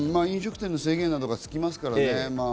飲食店の制限などがつきますからね。